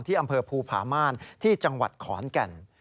อำเภอภูผาม่านที่จังหวัดขอนแก่น